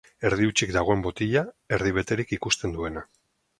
Erdi hutsik dagoen botila, erdi beterik ikusten duena.